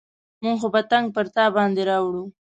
موږ خو به تنګ پر تا باندې راوړو.